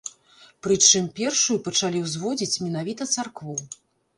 Прычым, першую пачалі ўзводзіць менавіта царкву.